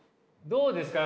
どうですか？